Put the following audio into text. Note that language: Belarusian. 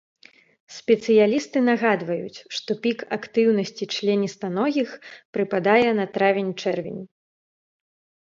Спецыялісты нагадваюць, што пік актыўнасці членістаногіх прыпадае на травень-чэрвень.